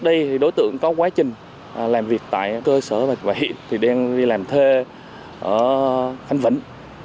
đối tượng có quá trình làm việc tại cơ sở và hiện đang đi làm thê ở khánh vĩnh